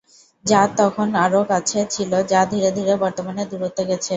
চাঁদ তখন আরো কাছে ছিল যা ধীরে ধীরে বর্তমানে দূরত্বে গেছে।